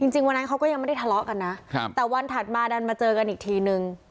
จริงวันนั้นเขาก็ยังไม่ได้ทะเลาะกันนะแต่วันถัดมาดันมาเจอกันอีกทีนึง